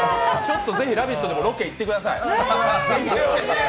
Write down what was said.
ぜひ「ラヴィット！」でもロケ行ってください。